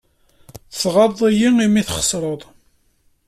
Tɣaḍeḍ-iyi imi txeṣṛeḍ.